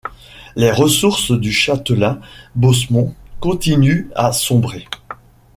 Les ressources du châtelain Bausmont continuent à sombrer.